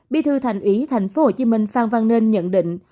bí thư thành ủy tp hcm phan văn nên nhận định